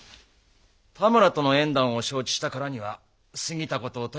多村との縁談を承知したからには過ぎたことをとやかく詮索はせん。